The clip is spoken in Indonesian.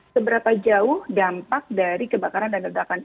seberapa jauh dampak dari kebakaran dan ledakan ini